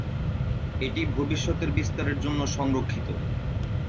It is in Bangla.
এটি ভবিষ্যতের বিস্তারের জন্য সংরক্ষিত।